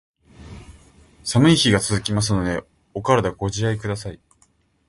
寒い日が続きますので、お体ご自愛下さい。